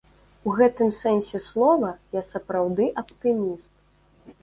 У гэтым сэнсе слова я сапраўды аптыміст.